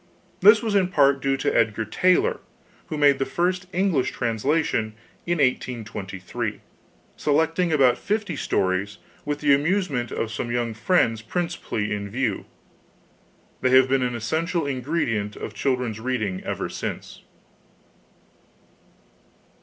This was in part due to Edgar Taylor, who made the first English translation in 1823, selecting about fifty stories 'with the amusement of some young friends principally in view.' They have been an essential ingredient of children's reading ever since.